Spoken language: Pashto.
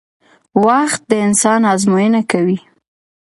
وخت د انسان ازموینه کوي